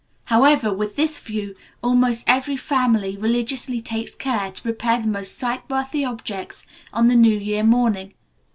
However, with this view, almost every family religiously takes care to prepare the most sightworthy objects on the new year morning.